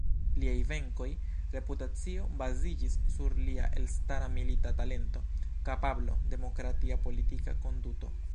Liaj venkoj, reputacio baziĝis sur lia elstara milita talento, kapablo, demokratia politika konduto.